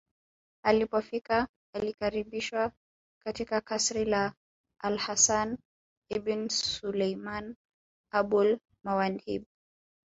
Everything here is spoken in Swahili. Alipofika alikaribishwa katika kasri la alHasan ibn Sulaiman AbulMawahib